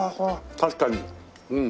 確かにうん。